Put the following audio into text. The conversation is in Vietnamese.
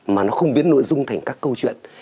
mà nó không biến nội dung thành các câu chuyện